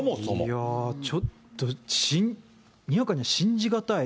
いやー、ちょっとにわかに信じ難い。